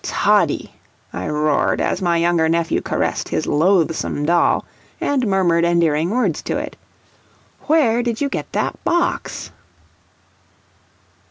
"Toddie," I roared, as my younger nephew caressed his loathsome doll, and murmured endearing words to it, "where did you get that box?"